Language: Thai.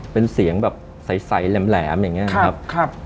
เป็นเสียงแบบใสแหลมอย่างนี้นะครับ